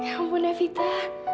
ya ampun evita